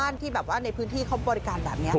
ใช่จะมีชาวบ้านที่ในพื้นที่เค้าบริการแบบนี้